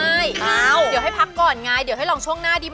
เดี๋ยวให้พักก่อนไงเดี๋ยวให้ลองช่วงหน้าดีไหม